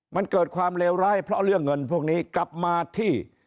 มันเกิดความเลวร้ายเพราะเรื่องเงินพวกนี้กลับมาที่